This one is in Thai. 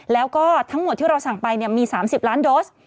แล้วก็ทั้งหมดที่เราสั่งไปมี๓๐ล้านโดส